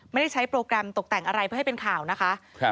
ไม่ได้ใช้โปรแกรมตกแต่งอะไรเพื่อให้เป็นข่าวนะคะ